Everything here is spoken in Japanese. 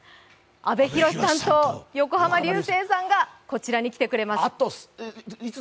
阿部寛さんと横浜流星さんがこちらに来ていただきます。